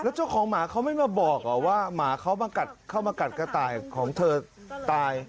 แล้วเจ้าของหมาเขาไม่มาบอกเหรอว่าหมาเข้ามากัดกระต่ายของเธอตาย